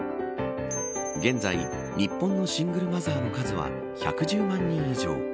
現在、日本のシングルマザーの数は１１０万人以上。